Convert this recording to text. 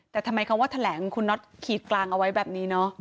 แต่ทำไมคำว่าแถลงคุณน็อตขีดกลางเอาไว้แบบนี้เนอะ